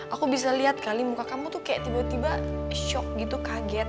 aku bisa lihat kali muka kamu tuh kayak tiba tiba shock gitu kaget